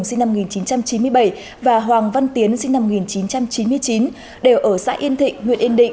sinh năm một nghìn chín trăm chín mươi bảy và hoàng văn tiến sinh năm một nghìn chín trăm chín mươi chín đều ở xã yên thịnh huyện yên định